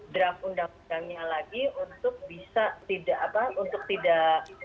draft undang undangnya lagi untuk bisa tidak apa untuk tidak